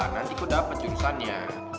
nanti kok dapet jurusannya